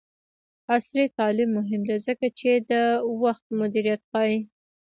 عصري تعلیم مهم دی ځکه چې د وخت مدیریت ښيي.